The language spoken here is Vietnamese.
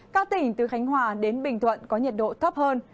các tỉnh từ khánh hòa đến bình thuận có nhiệt độ thấp hơn